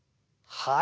はい。